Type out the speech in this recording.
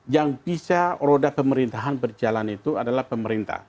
yang bisa roda pemerintahan berjalan itu adalah pemerintah